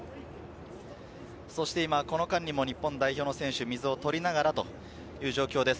この間にも日本代表の選手、水を取りながらという状況です。